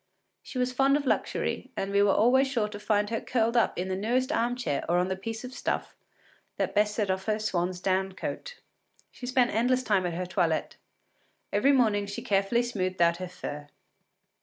She was fond of luxury, and we were always sure to find her curled up in the newest arm chair or on the piece of stuff that best set off her swan’s down coat. She spent endless time at her toilet; every morning she carefully smoothed out her fur.